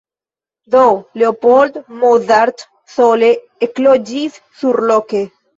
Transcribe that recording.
Do Leopold Mozart sole ekloĝis surloke.